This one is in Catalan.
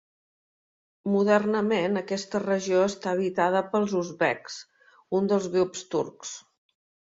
Modernament aquesta regió està habitada pels uzbeks, un dels grups turcs.